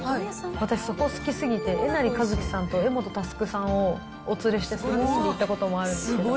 私、そこ好きすぎて、えなりかずきさんと柄本佑さんをお連れして、３人で行ったこともあるんですよ。